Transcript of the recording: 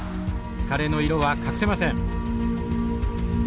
疲れの色は隠せません。